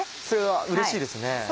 それはうれしいですね。